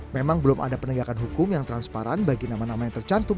memang belum ada penegakan hukum yang transparan bagi nama nama yang tercantum